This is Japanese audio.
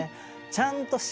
ちゃんとへ。